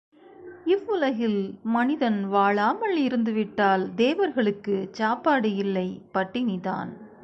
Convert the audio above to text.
இவ்வுலகில் மனிதன் வாழாமல் இருந்து விட்டால் தேவர்களுக்குச் சாப்பாடு இல்லை பட்டினிதான்.